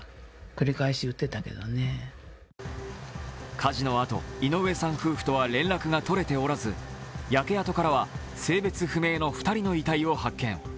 火事のあと、井上さん夫婦とは連絡がとれておらず焼け跡からは性別不明の２人の遺体を発見。